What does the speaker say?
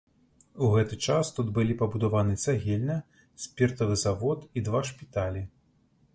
У гэты час тут былі пабудаваны цагельня, спіртавы завод і два шпіталі.